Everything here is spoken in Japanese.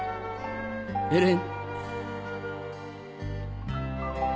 エレン？